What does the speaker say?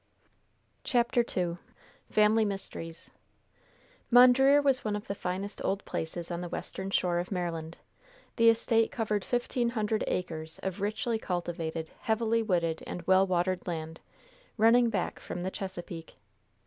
CHAPTER II FAMILY MYSTERIES Mondreer was one of the finest old places on the western shore of Maryland. The estate covered fifteen hundred acres of richly cultivated, heavily wooded and well watered land, running back from the Chesapeake.